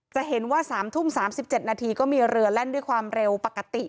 จะเห็นว่า๓ทุ่ม๓๗นาทีก็มีเรือแล่นด้วยความเร็วปกติ